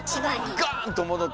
ガーン！と戻って。